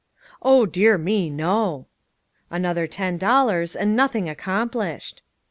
"Oh, dear me, no!" Another ten dollars, and nothing accomplished!